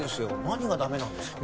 何がダメなんですか？